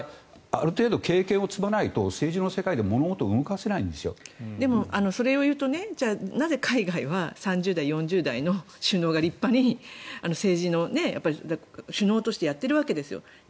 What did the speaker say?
ある程度経験を積まないと政治の世界でそれを言うとなぜ海外は３０代４０代の首脳が立派に首脳としてやっているわけです。